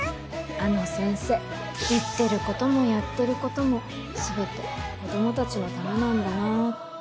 あの先生言ってることもやってることも全て子供たちのためなんだなぁって。